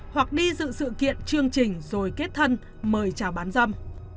hoặc đi dự sự kiện chương trình rồi kết thân mời chào bán dâm